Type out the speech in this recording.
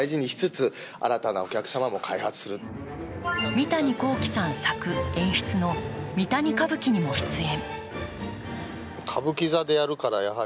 三谷幸喜さん作、演出の「三谷かぶき」にも出演。